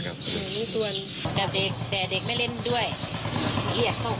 ก็บ่อยค่ะก็บ่อย